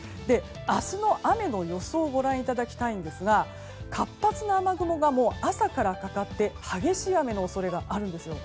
明日の雨の予想をご覧いただきたいんですが活発な雨雲が朝からかかって激しい雨の恐れがあるんですよ。